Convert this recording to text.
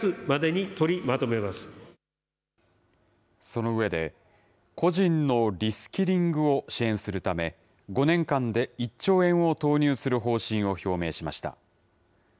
その上で、個人のリスキリングを支援するため、５年間で１兆円を投入する方針を表明しました。